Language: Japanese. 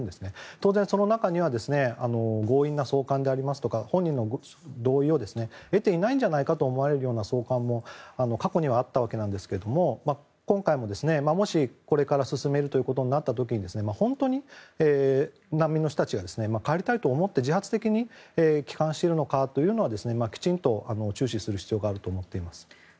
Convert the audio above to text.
当然、その中には強引な送還ですとか本人の同意を得ていないんじゃないかと思われるような送還も過去にはあったわけなんですけど今回も、もしこれから進めるということになった時に本当に難民の人たちが帰りたいと思って自発的に帰還しているのかはきちんと注視する必要はあると思っています。